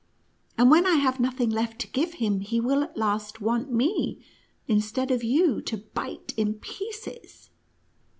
And, when I have nothing left to give him, he will at last want me, instead of you, to bite in pieces."